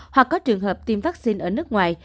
hoặc có trường hợp tiêm vaccine ở nước ngoài